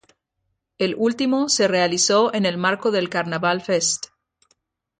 El último se realizó en el marco del Carnaval Fest.